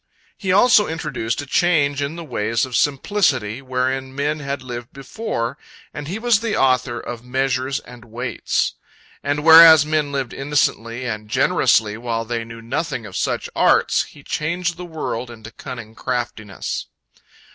He also introduced a change in the ways of simplicity wherein men had lived before, and he was the author of measures and weights. And whereas men lived innocently and generously while they knew nothing of such arts, he changed the world into cunning craftiness.